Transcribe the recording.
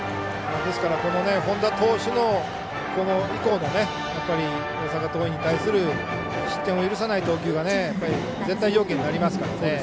この本田投手、これ以降大阪桐蔭に対する失点を許さない投球が絶対条件になりますから。